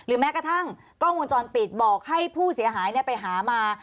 แม้กระทั่งกล้องวงจรปิดบอกให้ผู้เสียหายไปหามา